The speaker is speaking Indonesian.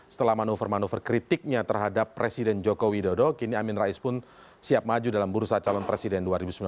setelah manuver manuver kritiknya terhadap presiden joko widodo kini amin rais pun siap maju dalam bursa calon presiden dua ribu sembilan belas